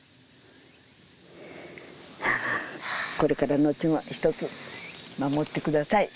これからのちも一つ守ってください